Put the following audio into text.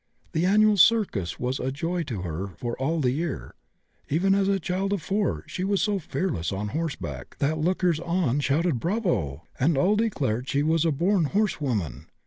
The annual circus was a joy to her for all the year. Even as a child of 4 she was so fearless on horseback that lookers on shouted Bravo! and all declared she was a born horsewoman.